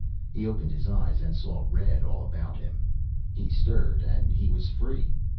He opened his eyes and saw red all about him. He stirred, and he was free.